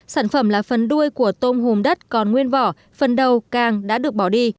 sản phẩm là phần đuôi của tôm hùm đất còn nguyên vỏ phần đầu càng đã được bỏ đi